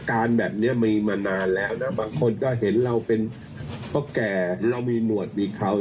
บางเดิมสื่อมีดีกว่ารอบแทนซึ่งเรารู้สึกดีกว่า